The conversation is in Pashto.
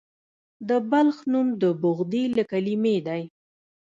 د بلخ نوم د بخدي له کلمې دی